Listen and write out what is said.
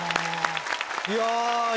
いや。